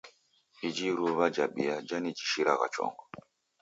Iji iruwa jabia, jani jishiriya chongo.